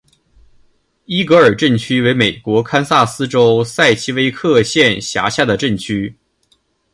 伊格尔镇区为美国堪萨斯州塞奇威克县辖下的镇区。